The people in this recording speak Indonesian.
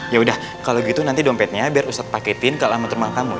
yaudah kalau gitu nanti dompetnya biar ustad paketin ke lama termang kamu ya